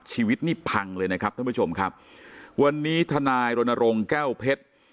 ชีวิตนี่พังเลยนะครับท่านผู้ชมครับวันนี้ทนายรณรงค์แก้วเพชร